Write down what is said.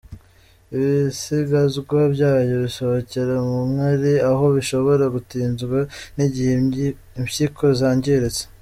Ibisigazwa byayo bisohokera mu nkari aho bishobora gutinzwa n’igihe impyiko zangiritse.